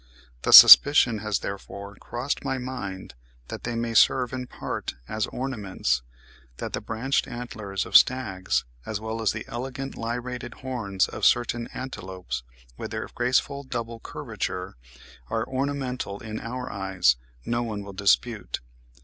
The suspicion has therefore crossed my mind that they may serve in part as ornaments. That the branched antlers of stags as well as the elegant lyrated horns of certain antelopes, with their graceful double curvature (Fig. 64), are ornamental in our eyes, no one will dispute.